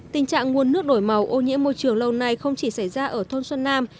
tình trạng nguồn nước đổi màu ô nhiễm môi trường lâu nay không chỉ xảy ra ở thôn xuân nam